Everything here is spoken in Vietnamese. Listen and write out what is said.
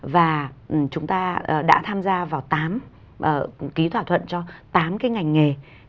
và chúng ta đã tham gia vào tám ký thỏa thuận cho tám cái ngành nghề